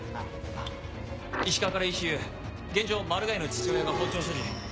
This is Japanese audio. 石川からＥＣＵ現場マルガイの父親が包丁を所持。